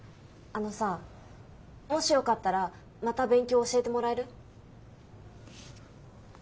あのさもしよかったらまた勉強教えてもらえる？